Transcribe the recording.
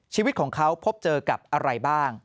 ชีวิตของเขาพบเจอกับอะไรบ้าง